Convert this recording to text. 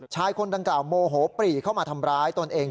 ชายคนดังกล่าวโมโหปรีเข้ามาทำร้ายตนเอง